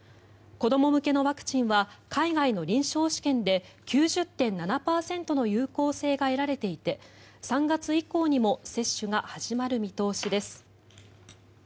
子ども向けのワクチンは海外の臨床試験で９０．７％の有効性が得られていて３月以降にも接種が始まる見通しです。